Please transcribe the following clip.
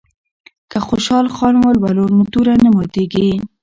که خوشحال خان ولولو نو توره نه ماتیږي.